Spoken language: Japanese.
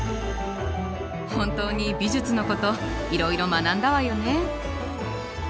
本当に美術のこといろいろ学んだわよね。